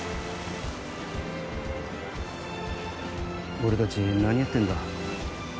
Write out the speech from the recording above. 俺たち何やってんだ。